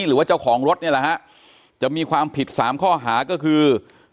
หรือว่าเจ้าของรถนี่แหละฮะจะมีความผิด๓ข้อหาก็คือ